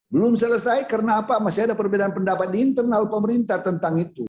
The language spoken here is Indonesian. belum selesai karena apa masih ada perbedaan pendapat di internal pemerintah tentang itu